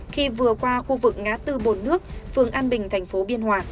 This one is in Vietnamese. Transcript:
khi vừa qua khu vực ngã tư bồn nước phường an bình thành phố biên hòa